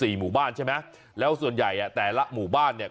หมู่บ้านใช่ไหมแล้วส่วนใหญ่อ่ะแต่ละหมู่บ้านเนี่ย